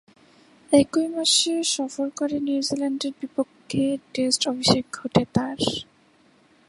একই মাসে সফরকারী নিউজিল্যান্ডের বিপক্ষে টেস্ট অভিষেক ঘটে তার।